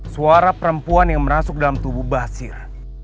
suara perempuan yang masuk dalam tubuh basir